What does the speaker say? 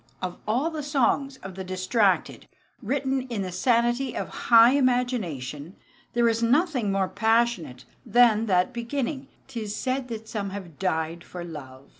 Of all the songs of the distracted, written in the sanity of high imagination, there is nothing more passionate than that beginning "'Tis said that some have died for love."